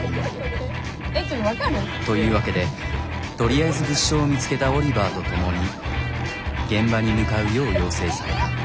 というわけでとりあえず物証を見つけたオリバーと共に現場に向かうよう要請された。